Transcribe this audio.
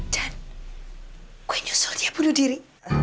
dan gue nyusul dia bunuh diri